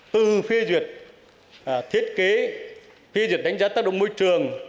từ phê duyệt thiết kế phê duyệt đánh giá tác động môi trường